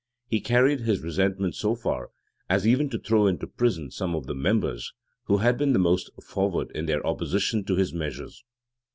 He carried his resentment so far, as even to throw into prison some of the members who had been the most forward in their opposition to his measures.